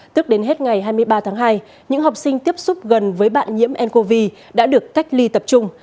tức đến hết ngày hai mươi ba tháng hai những học sinh tiếp xúc gần với bạn nhiễm ncov đã được cách ly tập trung